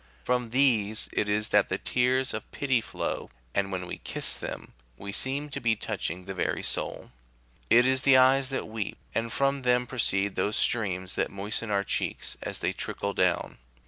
From these it is that the tears of pity flow, and when we kiss them we seem to be touching the very soul. It is the eyes that weep, and from them proceed those streams that moisten our cheeks as they trickle down.